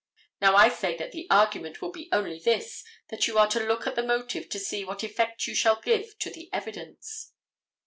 Now, I say that the argument will be only this, that you are to look at the motive to see what effect you shall give to the evidence.